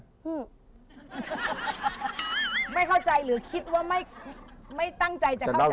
คือไม่เข้าใจหรือคิดว่าไม่ตั้งใจจะเข้าใจ